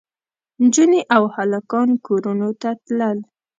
نجونې او هلکان کورونو ته تلل.